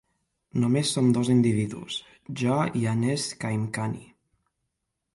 Només som dos individus, jo i Anees Kaimkhani.